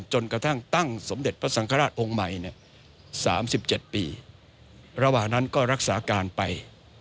จนกระทั่งตั้งสมเด็จพระสังฆราชองค์ใหม่๓๗ปีระหว่างนั้นก็รักษาการไป